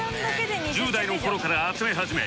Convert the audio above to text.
１０代の頃から集め始め